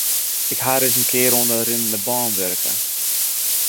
Ik ha ris in kear oan de rinnende bân wurke.